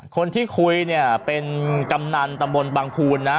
คนที่คุยเนี่ยเป็นกำนันตำบลบางภูนนะ